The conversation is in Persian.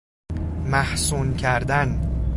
محصون کردن